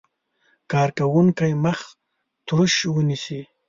کارکوونکی مخ تروش ونیسي.